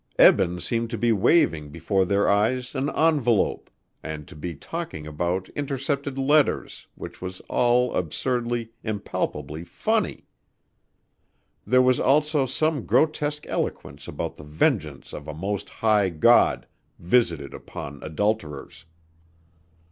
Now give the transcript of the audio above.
Eben seemed to be waving before their eyes an envelope and to be talking about intercepted letters which was all absurdly, impalpably funny. There was also some grotesque eloquence about the vengeance of a Most High God, visited upon adulterers.